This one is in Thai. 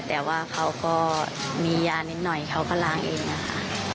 แต่ว่าเขาก็มียานิดหน่อยเขาก็ล้างเองนะคะ